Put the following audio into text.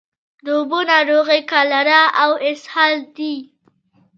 د اوبو ناروغۍ کالرا او اسهال دي.